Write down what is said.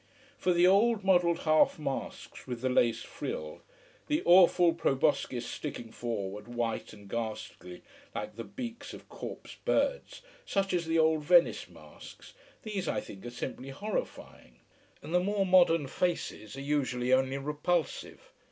For the old modelled half masks with the lace frill, the awful proboscis sticking forward white and ghastly like the beaks of corpse birds such as the old Venice masks these I think are simply horrifying. And the more modern "faces" are usually only repulsive.